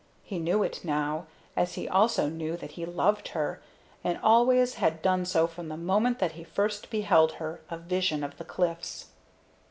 He knew it now, as he also knew that he loved her, and always had done so from the moment that he first beheld her, a vision of the cliffs.